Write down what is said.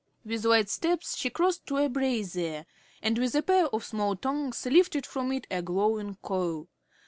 With light steps she crossed to a brazier, and with a pair of small tongs lifted from it a glowing coal.